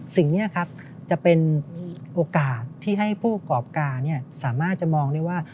สิ่งนี้จะเป็นโอกาสที่ให้ผู้กรอบการสามารถจะมองว่า